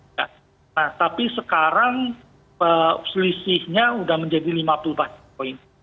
nah tapi sekarang selisihnya sudah menjadi lima puluh basis point